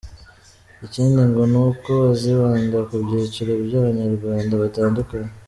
Ikindi ngo ni uko bazibanda ku byiciro by’Abanyarwanda batandukanye.